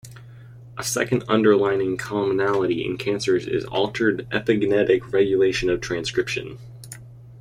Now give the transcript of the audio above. A second underlying commonality in cancers is altered epigenetic regulation of transcription.